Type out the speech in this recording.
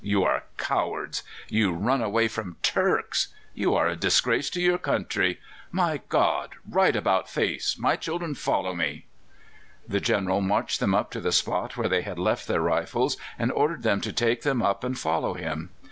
You are cowards! You run away from Turks! You are a disgrace to your country! My God! Right about face! My children, follow me!" The General marched them up to the spot where they had left their rifles, and ordered them to take them up and follow him.